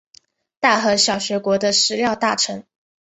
大和小学国的食料大臣。